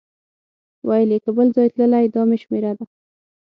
ویل یې که بل ځای تللی دا مې شمېره ده.